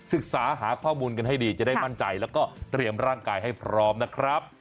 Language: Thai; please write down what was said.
ศึกษาหาข้อมูลกันให้ดีจะได้มั่นใจแล้วก็เตรียมร่างกายให้พร้อมนะครับ